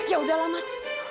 yaudah lah mas